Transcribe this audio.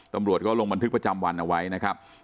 ตำรวจก็ลงบันทึกประจำวันเอาไว้นะครับ